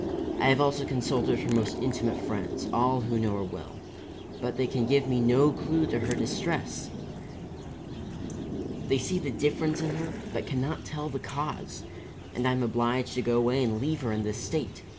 I have also consulted her most intimate friends, all who know her well, but they can give me no clue to her distress. They see the difference in her, but can not tell the cause. And I am obliged to go away and leave her in this state.